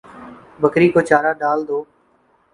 بکری کو چارہ ڈال دو